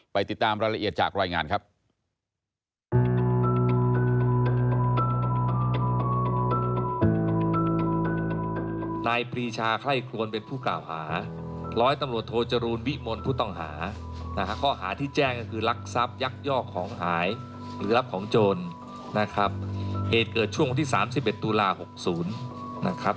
ติดตามรายละเอียดจากรายงานครับ